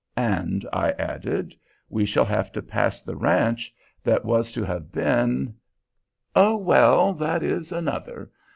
"And," I added, "we shall have to pass the ranch that was to have been" "Oh, well, that is another.